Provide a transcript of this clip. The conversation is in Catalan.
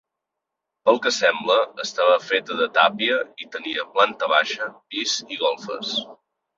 Pel que sembla estava feta de tàpia i tenia planta baixa, pis i golfes.